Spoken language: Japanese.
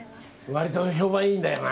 割と評判いいんだよな。